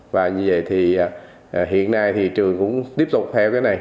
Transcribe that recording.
và như vậy thì hiện nay thì trường cũng tiếp tục theo cái này